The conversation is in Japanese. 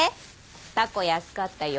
タコ安かったよ。